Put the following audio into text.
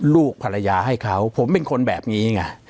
ลูกภรรยาให้เขาผมเป็นคนแบบนี้ไง